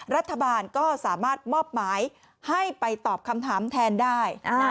รัฐบาลก็สามารถมอบหมายให้ไปตอบคำถามแทนได้